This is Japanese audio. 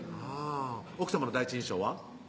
奥さまの第一印象は？